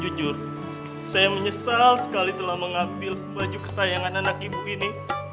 jujur saya menyesal sekali telah mengambil baju kesayangan anak ibu ini